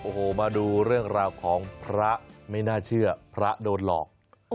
โอ้โหมาดูเรื่องราวของพระไม่น่าเชื่อพระโดนหลอก